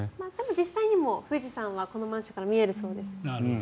実際に富士山はこのマンションから見えるそうです。